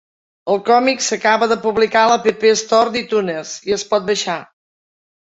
El còmic s'acaba de publicar a l'App Store d'iTunes i es pot baixar.